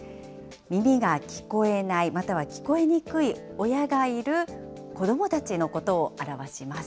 耳が聞こえない、または聞こえにくい親がいる子どもたちのことを表します。